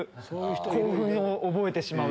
興奮を覚えてしまう。